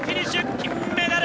金メダル！